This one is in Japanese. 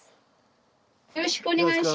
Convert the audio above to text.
よろしくお願いします。